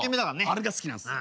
あれが好きなんです。